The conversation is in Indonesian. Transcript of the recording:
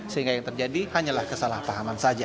sehingga yang terjadi hanyalah kesalahpahaman saja